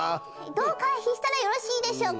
「どう回避したらよろしいでしょうか？」